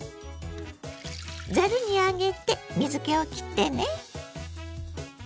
ざるに上げて水けをきってね。